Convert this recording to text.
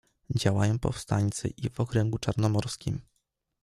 "Działają powstańcy i w okręgu Czarnomorskim."